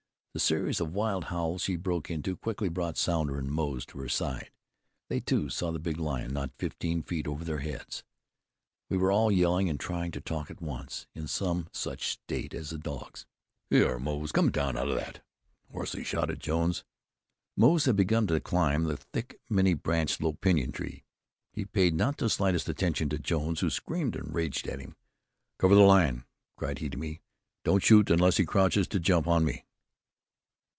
The series of wild howls she broke into quickly brought Sounder and Moze to her side. They, too, saw the big lion, not fifteen feet over their heads. We were all yelling and trying to talk at once, in some such state as the dogs. "Hyar, Moze! Come down out of that!" hoarsely shouted Jones. Moze had begun to climb the thick, many branched, low pinyon tree. He paid not the slightest attention to Jones, who screamed and raged at him. "Cover the lion!" cried he to me. "Don't shoot unless he crouches to jump on me."